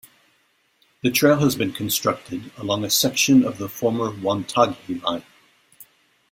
The trail has been constructed along a section of the former Wonthaggi line.